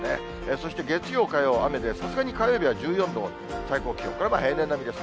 そして月曜、火曜は雨でに火曜日１４度、最高気温、これは平年並みです。